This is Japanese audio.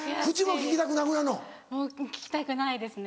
利きたくないですね